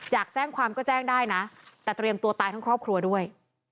อยากแจ้งความก็แจ้งได้นะแต่เตรียมตัวตายทั้งครอบครัวด้วย